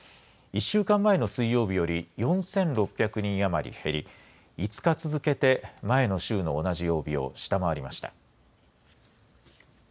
１週間前の水曜日より４６００人余り減り、５日続けて、前の週の同じ曜日を下回りました。